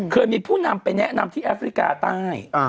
เคยมีผู้นำไปแนะนำที่แอฟริกาใต้